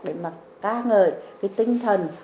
để mà ca ngợi cái tinh thần